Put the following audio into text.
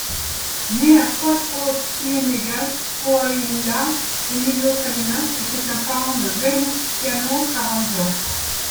Né à Cuatro Ciénegas, Coahuila, Emilio Salinas était un parent de Venustiano Carranza.